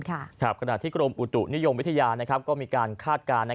ขณะที่กรมอุตุนิยมวิทยาก็มีการคาดการณ์